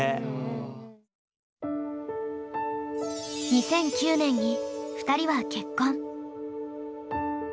２００９年に２人は結婚。